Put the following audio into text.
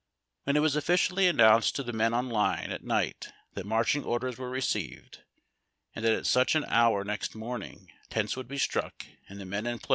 When it was officially announced to the men on line at night that marching orders were received, and that at such an hour next morning tents would be struck and the men in PACKING UP.